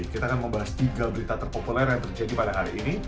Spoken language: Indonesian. kita akan membahas tiga berita terpopuler yang terjadi pada hari ini